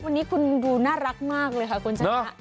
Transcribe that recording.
วันนี้คุณดูน่ารักมากเลยค่ะคุณชนะ